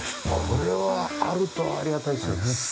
これはあるとありがたいですよね。